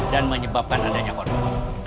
dan menyebabkan adanya konflik